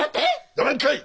やめんかい！